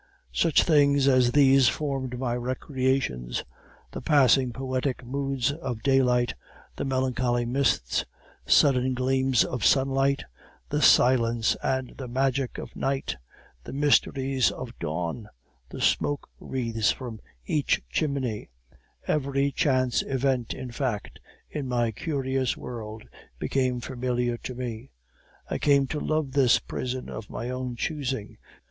Such things as these formed my recreations the passing poetic moods of daylight, the melancholy mists, sudden gleams of sunlight, the silence and the magic of night, the mysteries of dawn, the smoke wreaths from each chimney; every chance event, in fact, in my curious world became familiar to me. I came to love this prison of my own choosing.